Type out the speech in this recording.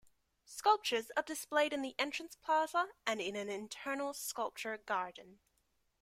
Sculptures are displayed in the entrance plaza and in an internal sculpture garden.